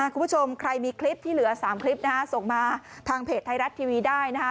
คุณผู้ชมใครมีคลิปที่เหลือ๓คลิปนะฮะส่งมาทางเพจไทยรัฐทีวีได้นะคะ